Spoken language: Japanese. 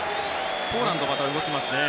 ポーランド、また動きますね。